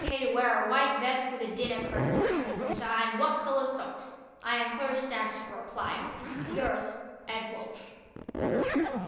K to wear a white vest with a dinner coat this coming winter and what color socks I enclose stamps for reply. Yrs. ED. WALSH.